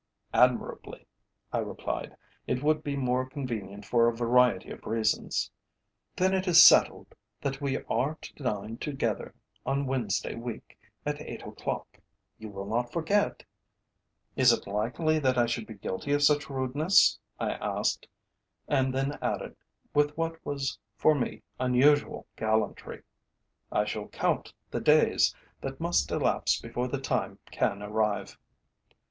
"Admirably," I replied. "It would be more convenient for a variety of reasons." "Then it is settled that we are to dine together on Wednesday week at eight o'clock. You will not forget?" "Is it likely that I should be guilty of such rudeness?" I asked, and then added, with what was for me unusual gallantry, "I shall count the days that must elapse before the time can arrive."